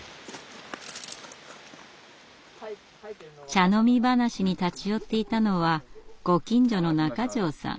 茶飲み話に立ち寄っていたのはご近所の中條さん。